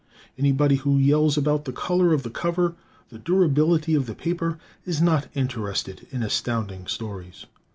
Anybody who yells about the color of the cover, the durability of the paper, is not very interested in Astounding Stories.